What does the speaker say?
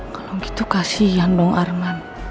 kalau gitu kasihan dong arman